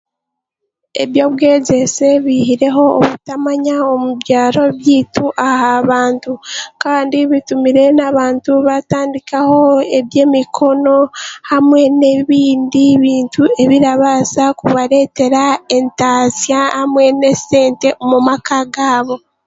ebyobwegyese biihireho obutamanya omu byaro byaitu aha bantu kandi bitumire n'abantu baatandikaho eby'emikono hamwe n'ebindi bintu ebirabaasa kubareetera entaasya hamwe n'esente omu maka gaabo.